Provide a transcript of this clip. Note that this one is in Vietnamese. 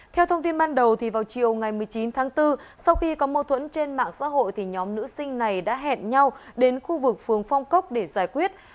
theo thông tin ban đầu vào chiều ngày một mươi chín tháng bốn sau khi có mâu thuẫn trên mạng xã hội nhóm nữ sinh này đã hẹn nhau đến khu vực phường phong cốc để giải quyết